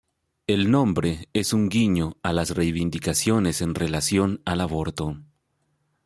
El nombre es un guiño a las reivindicaciones en relación al aborto.